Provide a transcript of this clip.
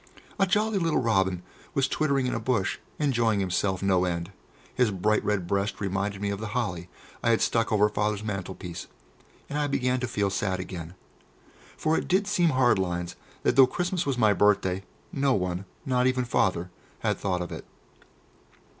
A jolly little robin was twittering in a bush, enjoying himself no end; his bright red breast reminded me of the holly I had stuck over Father's mantelpiece, and I began to feel sad again. For it did seem hard lines that though Christmas was my birthday, no one, not even Father, had thought of it.